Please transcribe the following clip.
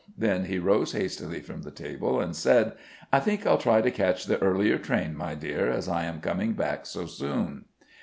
Then he arose hastily from the table, and said: "I think I'll try to catch the earlier train, my dear, as I am coming back so soon."